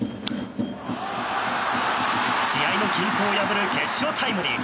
試合の均衡を破る決勝タイムリー。